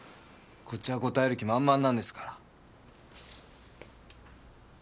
こっちは答える気満々なんですから。